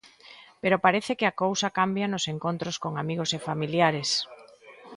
Pero parece que a cousa cambia nos encontros con amigos e familiares.